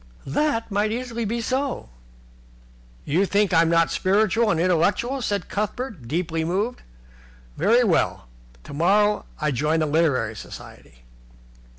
"That might easily be so." "You think I'm not spiritual and intellectual," said Cuthbert, deeply moved. "Very well. Tomorrow I join the Literary Society."